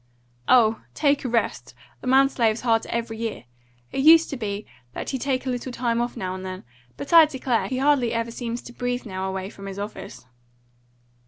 "Oh, take a rest! The man slaves harder every year. It used to be so that he'd take a little time off now and then; but I declare, he hardly ever seems to breathe now away from his office.